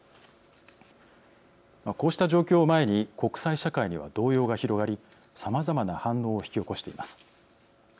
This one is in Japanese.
こうした状況を前に国際社会には動揺が広がりさまざまな反応を引き起こしています。